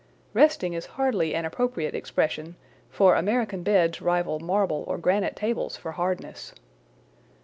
Resting is hardly an appropriate expression, for American beds rival marble or granite tables for hardness.